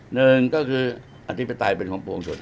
หนึ่งก็คืออธิปไตยเป็นของปวงชน